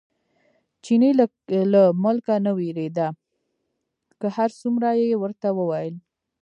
چیني له ملکه نه وېرېده، که هر څومره یې ورته وویل.